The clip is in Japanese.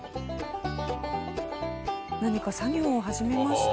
何か作業を始めました。